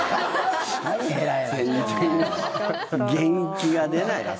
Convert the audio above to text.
全然、元気が出ない。